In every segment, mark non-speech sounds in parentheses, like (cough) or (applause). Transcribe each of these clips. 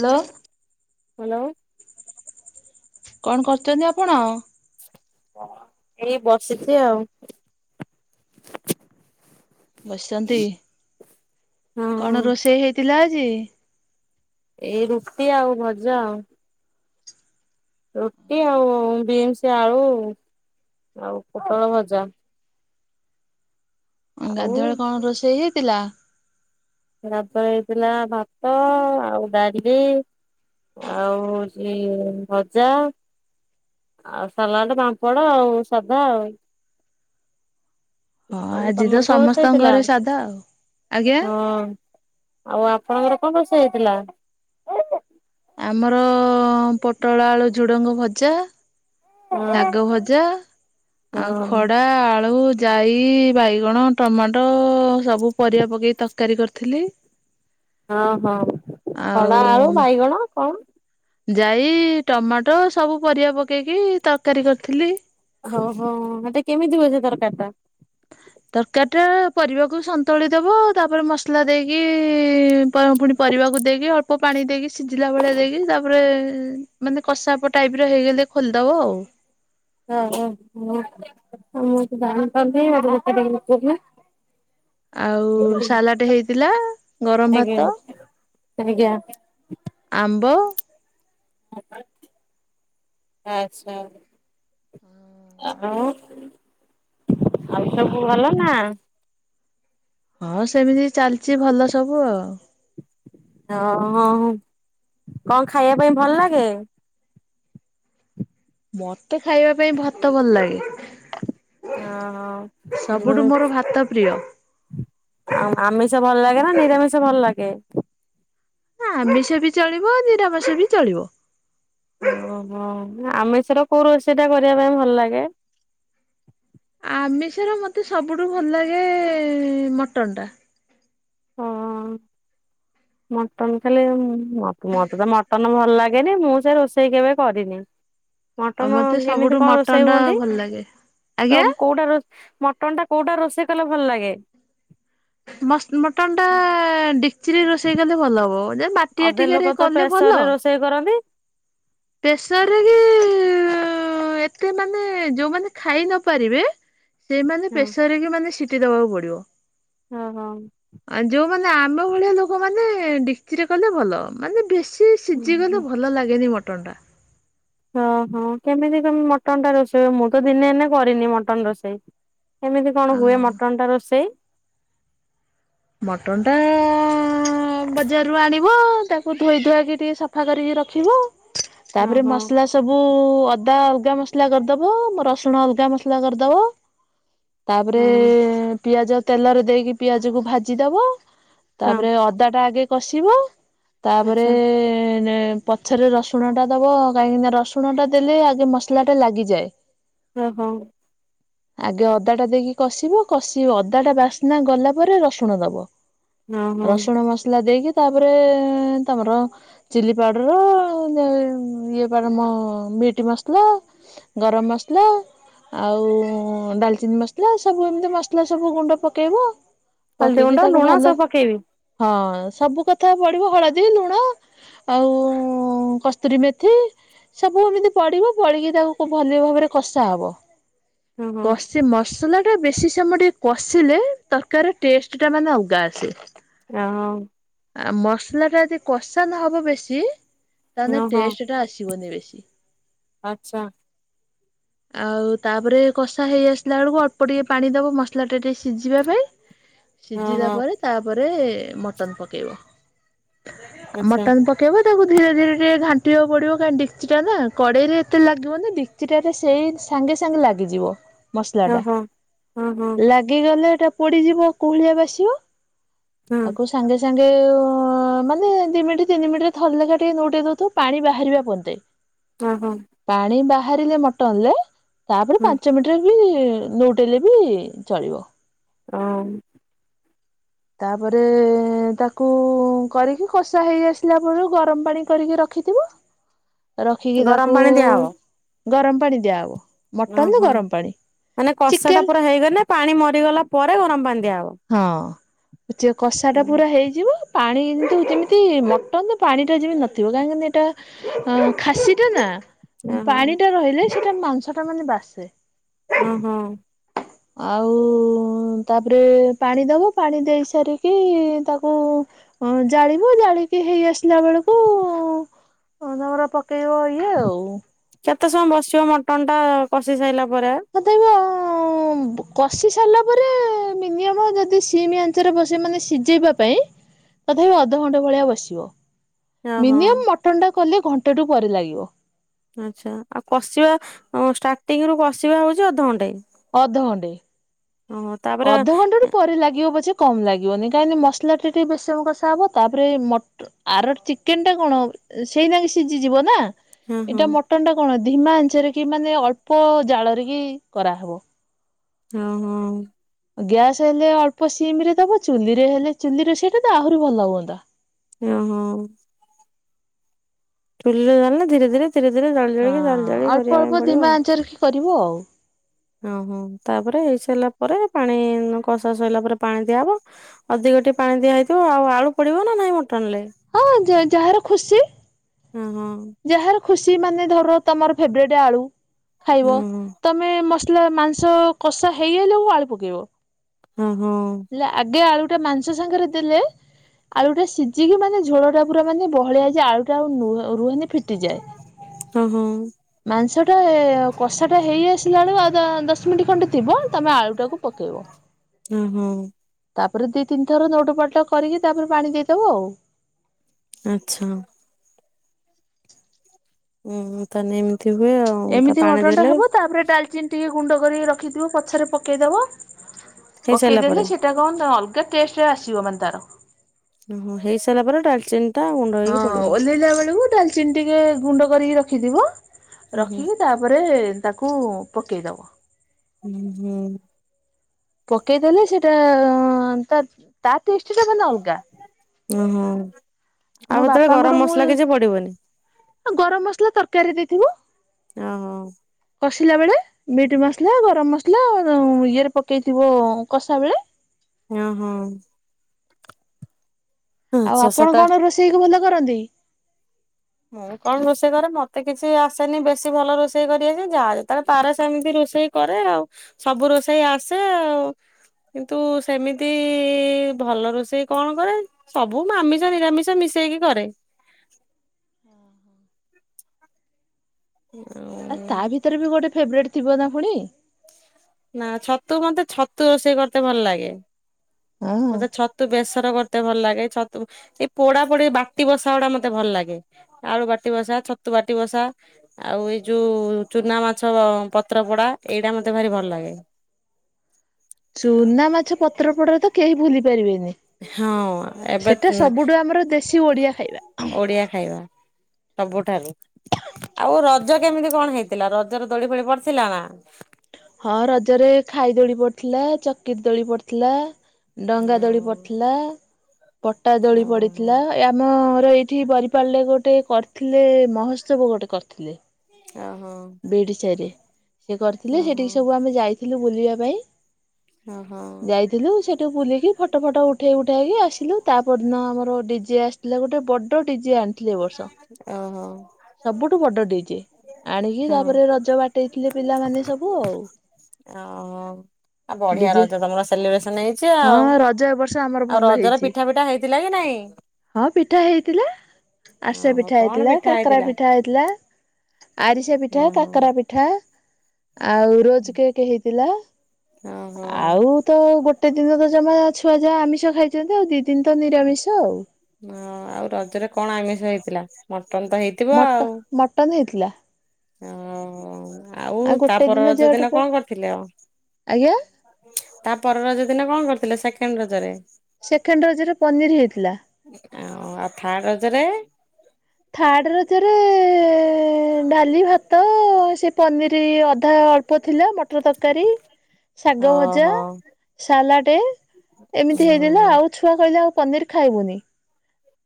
Hello. Hello. କଣ କରୁଛନ୍ତି ଆପଣ? ହଁ ଏଇ ବସିଛି ଆଉ ବସିଛନ୍ତି କଣ ହଁ ରୋଷେଇ ହେଇଥିଲା ଆଜି? ଏଇ, ରୁଟି, ଆଉ, ଭଜା, ଆଉ ରୁଟି, ଆଉ, ବିନ୍ସ, ଆଳୁ, ଆଉ, ପୋଟଳ, ଭଜା। ଆଉ ଗାଧୁଆବେଳେ କଣ ରୋଷେଇ ହେଇଥିଲା? ଗାଧୁଆବେଳେ ହେଇଥିଲା, ଭାତ, ଆଉ, ଡାଲି ଆଉ ସେ ଭଜା ଆଉ ସାଲାଡ ପାମ୍ପଡ ଆଉ ସାଧା ଆଉ ହଁ ଆଉ ଆଜି ତ ତମର କଣ ରୋଷେଇ ସମସ୍ତଙ୍କ ହେଇଥିଲା ଘରେ ସାଧା ଆଉ। ଆଜ୍ଞା ହଁ। ଆଉ ଆପଣଙ୍କର କଣ ରୋଷଇ ହେଇଥିଲା? ଆମର ପୋଟଳ ଆଳୁ ଝୁଡ଼ଙ୍ଗ ଭଜା। ହଁ ଶାଗ ଭଜା, ହଁ ଆଉ, ଖଡା, ଆଳୁ ଜାଇ, ବାଇଗଣ, ଟମାଟୋ। ସବୁ ପରିବା ପକେଇ ତରକାରୀ କରିଥିଲି। ଓହଁ, ଖଡା, ଆଳୁ, ବାଇଗଣ, କଣ? ଜାଇ ଟମାଟୋ ସବୁ ପରିବା ପକେଇକି ତରକାରୀ କରିଥିଲି। ଓଉ ହଉ ମତେ କେମିତି ହୁଏ ସେ ତରକାରିଟା? ଁ ତରକାରୀଟା ପରିବାକୁ ସନ୍ତୁଳି ଦେବ ତାପରେ ମସଲା ଦେଇକି ପୁଣି ପରିବାକୁ ଦେଇକି ଅଳ୍ପ ପାଣି ଦେଇକି ସିଝିଲା ଭଳିଆ ଦେଇକି ତାପରେ ମାନେ କଷାପ ଟାଇପର ହେଇଗଲେ ଖୋଲିଦବ ଆଉ ହଁ ହଁ ହଁ। ହଁ ମୁଁ ତ ଜାଣିଛନ୍ତି ପୁଅକୁ ନେଇନଥିଲି। ଆଉ ସାଲାଟ ହେଇଥିଲା, ଗରମ, ଆଜ୍ଞା ଭାତ। ଆଜ୍ଞା। ଆମ୍ବ। (unintelligible) ଆଚ୍ଛା। ଆଉ ଆଉ ସବୁ ଭଲ ନା। ହଁ ସେମିତି ଚାଲିଚି ଭଲ ସବୁ ଆଉ। ଆଉ ଆଉଁ କଁ ଖାଇଆ ପାଇଁ ଭଲ ଲାଗେ? ମତେ ଖାଇବା ପାଇଁ ଭାତ ଭଲ ଲାଗେ। ୟ ହଁ ଉଁ ବୁଁ ସବୁଠୁ ମୋର ଭାତ ପ୍ରିୟ ଆଉଁ ଆମିଷ ଭଲ ଲାଗେ ନା ନିରାମିଷ ଭଲ ଲାଗେ। ଆମିଷ ବି ଚଳିବ ନିରାମିଷ ବି ଚଳିବ। ୟୋଁ ହୋଁ ଆମେଷର କୋଉ ରୋଷେଇଟା କରିବା ପାଇଁ ଭଲ ଲାଗେ। ଆମିଷର ମତେ ସବୁଠୁ ଭଲ ଲାଗେ ମଟନଟା। ହଁ। ହୁଁ ମଟନ୍ ଖାଇଲେ ଉଁ ମଟ୍ ମତେ ତ ମଟନ ଭଲ ଲାଗେନି ମୁଁ ସେ ରୋଷେଇ କେବେ କରିନି। ମଟନ ମତେ ସବୁଠୁ କେମିତି କଣ ମଟନ ରୋଷେଇ ଟା ହୁଅନ୍ତି ଭଲ ଲାଗେ। ଆଜ୍ଞା ତମ୍ କୋଉଟା ରୋ ମଟନଟା କୋଉଟା ରୋଷେଇ କଲେ ଭଲ ଲାଗେ। ମସ୍ତ ମଟନଟା ଡିକ୍ଚିରେ ରୋଷେଇ କଲେ ଭଲ ହବ ଯେ ମା ଟି ଆଟିକାରେ କଲେ ଭଲ। ସେ କରନ୍ତି। ପେସରେରେ ଉଁ ଏତେ ମାନେ ଯୋଉମାନେ ଖାଇ ନ ପାରିବେ ସେଇମାନେ ହଁ ପ୍ରେସରେ କି ମାନେ ସିଟି ଦବାକୁ ପଡିବ। ହଁ ହଁ। ଆଁ ଯୋଉମାନେ ଆମ ଭଳିଆ ଲୋକମାନେ ଡିକ୍ଚିରେ କଲେ ଭଲ ମାନେ ବେଶୀ ଟିକେ ସିଜିଗଲେ ଭଲ ଲାଗେନି ମଟନଟା। ଓହୋ କେମିତି କେମିତି ମଟନଟା ରୋଷେଇ ମୁଁ ତ ଦିନେ ନା କରିନି ମଟନ୍ ରୋଷେଇ। କେମିତି କଣ ଟା ହୁଏ ମଟନଟା ରୋଷେଇ। ମଟନଟା ବଜାରରୁ ଆଣିବ ତାକୁ ଧୋଇ ଧୁଆକି ଟିକେ ସଫା କରିକି ରଖିବ। ହଁ ତାପରେ ହଁ ମସଲା ସବୁ ଅଦା ଅଲଗା ମସଲା କରିଦବ ମ ରସୁଣ ଅଲଗା ମସଲା କରିଦବ। ତାପରେ ହଁ ପିଆଜ ତେଲରେ ଦେଇକି ପିଆଜୁକୁ ଭାଜି ଦବ। ହଁ ତାପରେ ଅଦାଟା ଆଗେ କଷିବ ତାପରେ ଆଚ୍ଛା ନେ ପଛେରେ ରସୁଣଟା ଦବ କାହିଁକିନା ରସୁଣଟା ଦେଲେ ଆଗେ ମସଲାଟା ଲାଗିଯାଏ। ହୁଁ ହଁ। ଆଗେ ଅଦାଟା ଦେଇକି କଷିବ କଷିବ ଅଦାଟା ବାସ୍ନା ଗଲା ପରେ ରସୁ ପୁଣ ଦବ ହଁ ହଁ। ରସୁଣ ମସଲା ଦେଇକି ତାପରେ ତମର ଚିଲି ପାଉଡର (unintelligible) ଉଁ ଇଏ ଗରମ ମିଟି ମସଲା। ଗରମ ମସଲା ଆଉ ଡାଲଚିନି ମସଲା ସବୁ ଏମିତି ମସଲା ସବୁ ଗୁଣ୍ଡ ପକେଇବ। ହଳଦୀ ପକେଇକି ଗୁଣ୍ଡ ତାକୁ ଲୁଣ ଭଲ ସବୁ ପକେଇବି ହଁ ସବୁ କଥା ପଡିବ ହଳଦୀ ଲୁଣ ଆଉ ଉଁ କସ୍ତୁରୀ ମେଥି ସବୁ ଏମିତି ପଡିବ ପଡିକି ତାକୁ ଭଲି ଭାବରେ କଷା ହବ। ହଁ ହଁ କଷି ମସଲାଟା ବେଶୀ ସମୟ ଟିକେ କଷିଲେ ତରକାରୀ ଟେଷ୍ଟଟା ମାନେ ଅଲଗା ଆସେ। ଏ ଆଉଁ ଆ ମସଲାଟା ଯଦି କଷା ନ ହବ ବେଶୀ ତାଦେହେ ଓହୋ ଟେଷ୍ଟ ଟା ଆସିବନି ବେଶୀ। ଆଛା। ହ ଆଉ ତାପରେ କଷା ହେଇ ଆସିଲା ବେଳକୁ ଅଳ୍ପ ଟିକେ ପାଣି ଦେବ ମସଲାଟା ଟିକେ ସିଝିବା ପାଇଁ। ହଁ ସିଝିଲା ହଁ ପରେ ତାପରେ ମଟନ ପକେଇବ ଆ ଆଚ୍ଛା ମଟନ କେବେ ତାକୁ ଧୀରେ ଧୀରେ ଟିକେ ଘଣ୍ଟିବାକୁ ପଡିବ କା ଡିକଚିଟା ନା କଡ଼େଇ ରେ ଏତେ ଲାଗିବ ନାଚି ସେଟାରେ ସେଇ ସାଙ୍ଗେ ସାଙ୍ଗେ ଲାଗିଯିବ। ମସଲା ଟା ଓହୋ। ହଁ ହଁ ଲାଗିଗଲେ ଏଟା ପୋଡିଯିବ କୁହୁଳିଆ ବାସିବ। ହଁ ତାକୁ ସାଙ୍ଗେ ସାଙ୍ଗେ ମାନେ ଦୁଇ ମିନିଟ୍ ତିନି ମିନିଟେ ଥରିଲେକା ଟିକେ ନେଉଟି ଦେଉଥିବେ ପାଣି ବାହାରିବା ପଯନ୍ତ। ହଁ ହଁ। ପାଣି ବାହାରିଲେ ମଟନରେ ତାପରେ ହଁ ପାଞ୍ଚ ମିନିଟରେ ବି ଦେଲେବି ଚଳିବ। ହଁମ୍। ତାପରେ ତାକୁ କରିକି କଷା ହେଇ ଆସିଲା ପରେ ଗରମ ପାଣି କରିକି ରଖିଥିବ। ଅ ରଖିକି ଗରମ ତାକୁ ପାଣି ଦିଆହବ। ଗରମ ପାଣି ଦିଆ ହବ। ଓହୋ ମାନେ କଷା ଟା ଚିକେନ ପୁରା ହେଇଗଲେ ପାଣି ମରିଗଲା ପରେ ଗରମ ପାଣି ଦିଆହବ। ହଁ ଯେ କଷା ଟା ପୁରା ହେଇଯିବ। ପାଣି କିନ୍ତୁ ଯେମିତି ମଟନ୍ ରେ ପାଣିଟା ଯେମିତି ନଥିବ କାହିଁକିନା ଏଇଟା ଆ ଖାସିଟା ନାଁ ଓହୋ ପାଣି ଟା ରହିଲେ ସେଟା ମାଂସ ଟା ମାନେ ବାସେ। ଓହୋ। ଆଉ ତାପରେ ପାଣି ଦବ ପାଣି ଦେଇ ସାରିକି ତାକୁ ଅ ଜାଳିବ ଜାଳିକି ହେଇ ଆସିଲା ବେଳକୁ କୁ ଅ ନବରା ପକେଇବ ଇଏ ଆଉ। କେତେ ସମୟ ବସିବ ମଟନ ଟା କଷି ସାରିଲା ପରେ। ତତେବ ଅ କଷି ସାରିଲା ପରେ ମିନିମମ ଯଦି ସିମ ଆଞ୍ଚରେ ବସେଇବ ମାନେ ସିଝେଇବା ପାଇଁ। ତଥାପି ଅଧଘଣ୍ଟା ଭଳିଆ ବସିବ ଓହୋ ମିନିମମ୍ ମଟନ ଟା କଲେ ଘଣ୍ଟାଏ ପରେ ଲାଗିବ। ଆଚ୍ଛା ଆଉ କଷିବା ଷ୍ଟାର୍ଟିଂ ରୁ କଷିବା ହଉଛି ଅଧଘଣ୍ଟେ। ଅଧ ଘଣ୍ଟେ। ହଁ। ଅଧଘଣ୍ଟା ରୁ ପରେ ଲାଗିବ ପଛେ। କମ ଲାଗିବନି କାହିଁକନା ମସଲା ଟା ଟିକେ ବେସି ସମୟ କଷା ହବ ତାପରେ ମ ଆର ଚିକେନ ଟା କଣ ସେଇରାକ ସିଝିଯିବ ନା? ହଁ ହଁ ଏଇଟା ମଟନ ଟା କଣ ଧିମା ଆଞ୍ଚରେ କି ମାନେ ଅଳ୍ପ ଜାଳରେ ହିଁ କରାହେବ। ହଁ ହଁ। ଗ୍ୟାସ ହେଲେ ଅଳ୍ପ ସିମ ରେ ଦବ ଚୁଲିରେ ହେଲେ ଚୁଲିରେ ସେଟା ତ ଆହୁରି ଭଲ ହୁଅନ୍ତା। ଓ ହୋ। ଚୁଲିରୋ ନା ଧୀରେ ଧୀରେ ଧୀରେ ଧୀରେ ଜଳିକି ଜାଲି ଜାଳି କରିବା ପାଇଁ ପଡିବ ଆଉ। ସରିବ ଆଉ। ଓହୋ ତାପରେ ହେଇସାରିଲା ପରେ ପାଣି କଷା ସରିଲା ପରେ ପାଣି ଦିଆହବ। ଅଧିକ ଟିକେ ପାଣି ଦିଆ ହେଇଥିବ ଆଉ ଆଳୁ ପଡିବ ନା ନାଇଁ ମଟନ ରେ? ହଁ ଯାହାର ଖୁସି। ହଁ ହଁ। ଯାହାର ଖୁସି ମାନେ ଧର ତମର ଫେବରେଟ୍ ଆଳୁ, ଖାଇବ। ଓହୋ ତମେ ମସଲା ମାଂସ କଷା ହେଇ ଆଇଲା ବେଳକୁ ଆଳୁ ପକେଇବ। ହଁ-ହଁ। ହେଲେ ଆଗେ ଆଳୁଟା ମାଂସ ସାଙ୍ଗରେ ଦେଲେ ଆଳୁଟା ସିଝିକି ମାନେ ଝୋଳଟା ପୁରା ମାନେ ବହଳିଆ ହେଇଯାଏ, ଆଳୁଟା ଆଉ ନୁହେ ରୁହେନି। ଫିଟିଯାଏ। ହଁ-ହଁ। ମାଂସଟା କଷାଟା ହେଇ ଆସିଲା ବେଳକୁ ଆଉ ଦ ଦଶ ମିନିଟ ଖଣ୍ଡେ ଥିବ ତମେ ଆଳୁଟାକୁ ପକେଇବ। ହୁଁ ହୁଁ। ତାପରେ ଦି ତିନି ଥର ନେଉଟ ପାଲଟା କରିକି ତାପରେ ପାଣି ଦେଇଦବ ଆଉ। ଆଚ୍ଛା। ଉଁ ହୁଁ, ତାହାଲେ ଏମିତି ହୁଏ ଆଉ ତ ଏମିତି ପାଣି ମଟନଟା ଦେଲେ ହେବ ତାପରେ ଡାଲଚିନି ଟିକେ ଗୁଣ୍ଡ କରିକି ରଖିଥିବ ପଛରେ ପକେଇଦବ, ହେଇସାରିଲା ପରେ ପକେଇଦେଲେ ସେ ସେଇଟା କଣ ନା ଅଲଗା ଟେଷ୍ଟ ଆସିବ ମାନେ ତାର। ଓହୋଃ ହେଇ ସାରିଲା ପରେ ଡାଲଚିନି ଟା ଗୁଣ୍ଡ ହଁ ହେଇକି ପଡିବ ଓହ୍ଲେଇଲା ବେଳକୁ ଡାଲଚିନି ଟିକେ ଗୁଣ୍ଡ କରିକି ରଖିଥିବ ହୁଁ ହୁଁ ରଖିକି ତାପରେ ତାକୁ ପକେଇଦବ। ହୁଁ ହୁଁ। ପକେଇଦେଲେ ସେଇଟା-ଆ-ଆ ଆଁ ତା, ତା ଟେଷ୍ଟଟା ମାନେ ଅଲଗା। ଓହୋଃ, ମୋ ଆଉ ସେତେବେଳେ ଗରମ ମସଲା କିଛି ପଡିବନି? ହଁ ଗରମ ମସଲା ତରକାରୀରେ ଦେଇଥିବ। ଓହୋଃ। କଷିଲା ବେଳେ। ମିଟ୍ ମସଲା ଗରମ ମସଲା ଇଏରେ ପକେଇଥିବ କଷା ବେଳେ। ହଁ ହଁ। ଆଉ ଆଚ୍ଛା ଆପଣ ସାତ କଣ ରୋଷେଇକି ଭଲ କରନ୍ତି? ମୁଁ କଣ ରୋଷେଇ କରେ ମତେ କିଛି ଆସେନି ବେଶୀ ଭଲ ରୋଷେଇ କରିଆସିନି ଯାହା ଯେତେବେଳେ ପାରେ ସେମିତି ରୋଷେଇ କରେ ଆଉ, ସବୁ ରୋଷେଇ ଆସେ ଆଉ। କିନ୍ତୁ ସେମିତି-ଇ-ଇ-ଇ ଭଲ ରୋଷେଇ କଣ କରେ? ସବୁ ମାମିଷ ନିରାମିଷ ମିଶେଇକି କରେ। (unintelligible) ଆ ତା ଭିତରେ ବି ଗୋଟେ ଫେବରେଟ୍ ଥିବ ନା ପୁଣି? ନା ଛତୁ ମତେ ଛତୁ ରୋଷେଇ କରତେ ଭଲ ଲାଗେ। ହଁ ମତେ ଛତୁ ବେସର କରତେ ଭଲ ଲାଗେ ଛତୁ ଏଇ ପୋଡାପୋଡି ବାଟିବସା ଗୁଡା ମତେ ଭଲ ଲାଗେ। ଆଳୁ ବାଟିବସା ଛତୁ ବାଟିବସା। ଆଉ ଏଇ ଯୋଉ ଚୁନା ମାଛ ପତ୍ର ପୋଡା ଏଇରା ମତେ ଭାରି ଭଲ ଲାଗେ। ଚୁନା ମାଛ ପତ୍ର ପୋଡା ତ କେହି ଭୁଲି ପାରିବେନି। ହଁ ଏବେ ସେଟା ସବୁଠୁ ଆମର ଦେଶୀ ଓଡିଆ ଖାଇବା। ବଢ଼ିଆ ଖାଇବା ସବୁଠାରୁ, ଆଉ ରଜ କେମିତି କଣ ହେଇଥିଲା ରଜରେ ଦୋଳି ଫୋଳି ପଡିଥିଲା ନା? ହଁ ରଜରେ ଖାଇ ଦୋଳି ପଡିଥିଲା ଚକ୍ରି ଦୋଳି ପଡିଥିଲା। ଡଙ୍ଗା ଦୋଳି ଓହୋ ପଡ଼ିଥିଲା, ପଟା ଦୋଳି ପଡିଥିଲା। ଏଇ ଆମ-ର ଏଇଠି ବରିପାଳିରେ ଗୋଟେ କରିଥିଲେ ମହୋତ୍ସବ ଗୋଟେ କରିଥିଲେ। ଓହୋ ବିଡିସାହିରେ ସେ କରିଥିଲେ ଓହୋ ସେଠିକି ସବୁ ଆମେ ଯାଇଥିଲୁ ବୁଲିବା ପାଇଁ। ହଁ ହଁ। ଥିଲୁ ସେଠୁ ବୁଲିକି ଫଟୋ ଫଟୋ ଉଠେଇ ଉଠାଇକି ଆସିଲୁ ତାପରଦିନ ଆମର ଡିଜେ ଆସି ପିଲା ଗୋଟେ ବଡ଼ ଡିଜେ ଆଣିଥିଲେ ଏବର୍ଷ। ଓହୋ ସବୁଠୁ ବଡ ଡିଜେ ଆଣିକି ହଁ। ତାପରେ ରଜ ବାଟେଇଥିଲେ ପିଲାମାନେ ସବୁ ଆଉ। ଓହୋ ଆଉ ବଢ଼ିଆ ଡିଜେ ରଛ ତମର ସେଲିବ୍ରେସନ ହେଇଚି ହଁ ଆଉ। ରଜ ଏ ବର୍ଷ ଆମର ଆଉ ଭଲ ରଜରେ ହେଇଛି ପିଠା ଫିଠା ହେଇଥିଲାକି ନାଇଁ? ହଁ ପିଠା ହେଇଥିଲା। ଆରିସା ଓହୋ ପିଠା କଣ ହେଇଥିଲା ପିଠା କାକେରା ହେଇଥିଲା? ପିଠା ହେଇଥିଲା ଆରିସା ପିଠା ଓହୋ କାକେରା ପି ପିଠା ଆଉ ରୋଜ୍ କେକ୍ ହେଇଥିଲା। ଓହୋ। ଆଉତ ଗୋଟେ ଦିନତ ଜମା ଛୁଆ ଯାହା ଆମିଷ ଖାଇଚନ୍ତି ଆଉ ଦି ଦିନିତ ନିରାମିଷ ଆଉ। ହଁ ଆଉ ରଜରେ କଣ ଆମିଷ ହେଇଥିଲା ମଟନତ ହେଇ ମଟ ମଟନ୍ ହେଇଥିଲା। ଓ ଆଉ ଗୋଟେ ଦିନ ତାପର ରଜଦିନ ଯେହେତୁ କଣ କରିଥିଲ? ଆଜ୍ଞା? ତାପର ରଜ ଦିନ କଣ କରିଥିଲେ ସେକେଣ୍ଡ ରଜରେ? ସେକେଣ୍ଡ ରଜରେ ପନିର୍ ହେଇଥିଲା। ଆ ଆଉ ଥା ରଜରେ? ଥାର୍ଡ଼ ରଜରେ ଡାଲି ଭାତ ସେ ପନିର୍ ଅଧା ଅଳ୍ପ ଥିଲା ମଟର ତରକାରୀ ହଁ ହଁ। ସାଲାଟେ ଏମିତି ହେଇଥିଲା ଆଉ ଛୁଆ କହିଲେ ଆଉ ପନିର୍ ଖାଇବୁନି।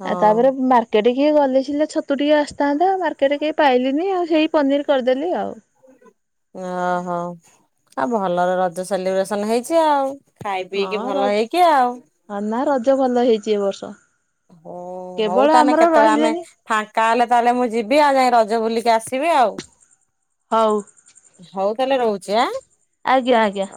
ହଁ ଆ ତାପରେ ମାର୍କେଟ କିଏ ଗଲେ ସି ଥିଲେ ଛତୁ ଟିକେ ଆସିଥାନ୍ତା ମାର୍କେଟରେ କେଇ ପାଇଲିନି ଆଉ ସେଇ ପନିର୍ କରିଦେଲି ଆଉ। ଓହୋ ଆଉ ଭଲରେ ରଜ ସେଲିବ୍ରେସନ ହେଇଚି ଆଉ? ଖାଇ ପିଇକି ହଁ ରଜ ଭଲ ହେଇକି ଆଉ? ହଁ ନା ରଜ ଭଲ ହେଇଚି ଏବର୍ଷ। ହ ହଉ ତାନେ କେତେଳେ ଆମେ ରହିଲେନି ଫାଙ୍କା ହେଲେ ତାହେଲେ ମୁଁ ଯିବି ଆଉ ଯାଇ ରଜ ବୁଲିକି ଆସିବି ଆଉ। ହଉ। ହଉ ତାହେଲେ ରହୁଚି ଆଁ। ଆଜ୍ଞା ଆଜ୍ଞା।